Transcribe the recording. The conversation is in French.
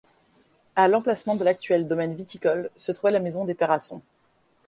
À l'emplacement de l'actuel domaine viticole se trouvait la maison de Peirasson.